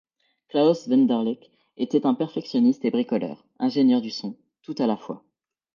Klaus Wunderlich était un perfectionniste et bricoleur, ingénieur du son, tout à la fois.